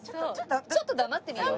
ちょっと黙ってみよう。